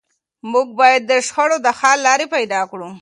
موږ باید د شخړو د حل لارې پیدا کړو.